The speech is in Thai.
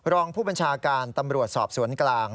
รองผู้บัญชาการตำรวจสอบสวนกลาง